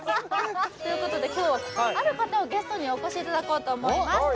今日はある方をゲストにお越しいただこうと思います